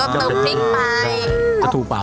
ชอบเข็ดก็เติมพริกไปแล้วก็ถูกปาก๐๐๑๐